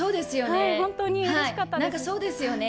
本当にうれしかったです。